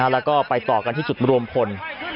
แล้วก็ไปต่อกันที่จุดรวมพล